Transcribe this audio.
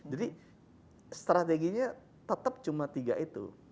jadi strateginya tetap cuma tiga itu